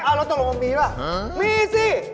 อ้าวแล้วตรงมือมีหรือเปล่าอืมมีสิ